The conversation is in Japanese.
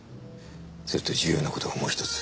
それと重要な事がもう一つ。